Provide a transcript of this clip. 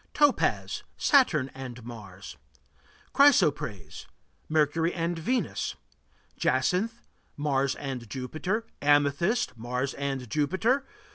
Topaz Saturn and Mars. Chrysoprase Mercury and Venus. Jacinth Mars and Jupiter. Amethyst Mars and Jupiter.